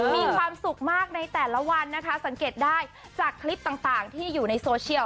มีความสุขมากในแต่ละวันนะคะสังเกตได้จากคลิปต่างที่อยู่ในโซเชียล